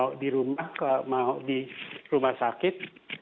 kalau mau di rumah sakit